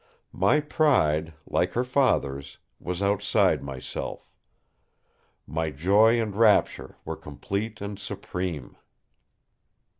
My pride, like her father's, was outside myself; my joy and rapture were complete and supreme!